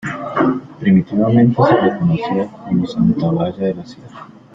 Primitivamente se la conocía como Santa Olalla de la Sierra.